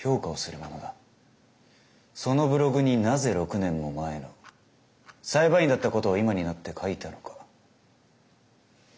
そのブログになぜ６年も前の裁判員だったことを今になって書いたのか？